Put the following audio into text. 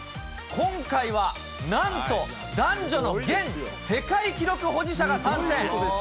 今回はなんと、男女の現世界記録保持者が参戦。